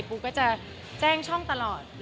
ปูก็จะแจ้งช่องตลอด